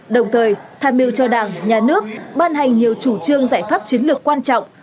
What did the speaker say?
đồng thời tham mưu cho đảng nhà nước ban hành nhiều chủ trương giải pháp chiến lược quan trọng